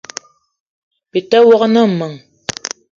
Byi te wok ne meng :